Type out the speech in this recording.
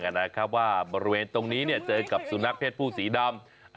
เขาได้รับแจ้งนะครับว่าบริเวณตรงนี้เจอกับสุนัขเพศผู้สีดำ